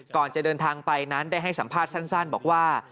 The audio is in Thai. ก่อนจะเดินทางไปนั้นได้ให้สัมภาษณ์สั้นบอกว่า